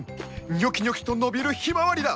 ニョキニョキと伸びるヒマワリだ！